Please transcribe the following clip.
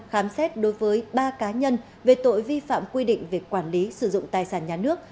khám xét đối với ba cá nhân về tội vi phạm quy định về quản lý sử dụng tài sản nhà nước